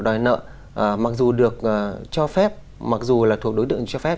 đòi nợ mặc dù được cho phép mặc dù là thuộc đối tượng cho phép